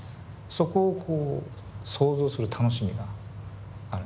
そこをこう想像する楽しみがあるんですね。